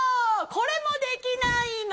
これもできないの？